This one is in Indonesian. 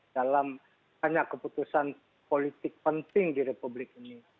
dalam banyak keputusan politik penting di republik ini